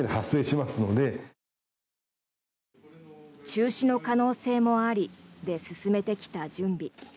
中止の可能性もありで進めてきた準備。